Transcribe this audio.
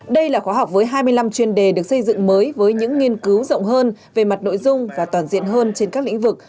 đây là khóa học với hai mươi năm chuyên đề được xây dựng mới với những nghiên cứu rộng hơn về mặt nội dung và toàn diện hơn trên các lĩnh vực